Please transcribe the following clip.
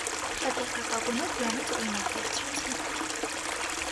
Շատ երկրպագուներ դրանից օրինակ վերցրեցին։